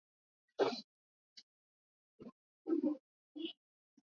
wa kimataifa na machafuko ya kisiasa Shida inazidishwa